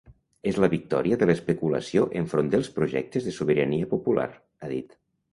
És la victòria de l’especulació enfront dels projectes de sobirania popular, ha dit.